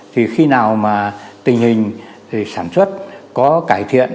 thì khi nào mà tình hình thì sản xuất có cải thiện